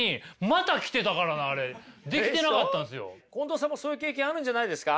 近藤さんもそういう経験あるんじゃないですか？